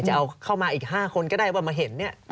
จะเอาเข้ามาอีก๕คนก็ได้ว่ามาเห็นเนี่ย